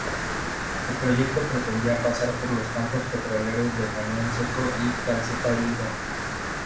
El proyecto pretendía pasar por los campos petroleros de Cañadón Seco y Caleta Olivia.